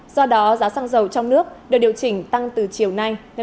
do đó giá xăng dầu trong nước được điều chỉnh tăng từ chiều nay ngày một mươi một tháng bốn